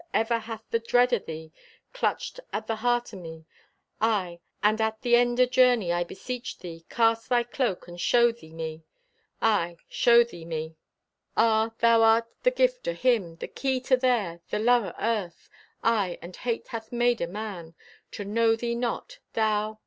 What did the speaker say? Ever hath the dread o' thee Clutched at the heart o' me. Aye, and at the end o' journey, I beseech thee, Cast thy cloak and show thee me! Aye, show thee me! Ah, thou art the gift o' Him! The Key to There! The Love o' Earth! Aye, and Hate hath made o' man To know thee not— Thou!